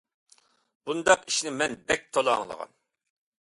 بۇنداق ئىشنى مەن بەك تولا ئاڭلىغان.